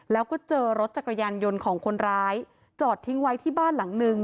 แล้วก็เจอรถจักรยานยนต์ของคนร้ายจอดทิ้งไว้ที่บ้านหลังนึง